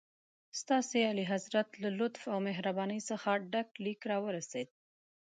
ستاسي اعلیحضرت له لطف او مهربانۍ څخه ډک لیک راورسېد.